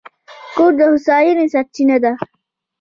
کور د هوساینې سرچینه ده.